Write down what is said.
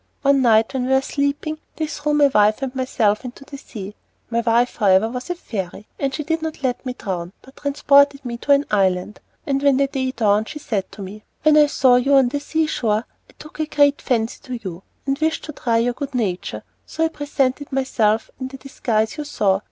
One night when we were sleeping they threw my wife and myself into the sea. My wife, however, was a fairy, and so she did not let me drown, but transported me to an island. When the day dawned, she said to me, "When I saw you on the sea shore I took a great fancy to you, and wished to try your good nature, so I presented myself in the disguise you saw.